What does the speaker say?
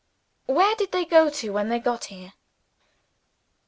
"Where did they go to, when they got here?"